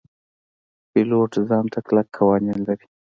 پیلوټ ځان ته کلک قوانین لري.